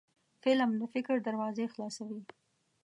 فلم د فکر دروازې خلاصوي